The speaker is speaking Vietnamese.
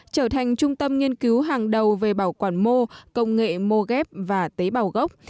trở thành trung tâm nghiên cứu hàng đầu về bảo quản mô công nghệ mô ghép và tế bào gốc